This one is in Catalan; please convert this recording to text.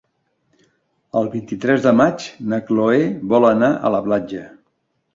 El vint-i-tres de maig na Chloé vol anar a la platja.